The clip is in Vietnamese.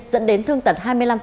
dẫn đến thương tật hai mươi năm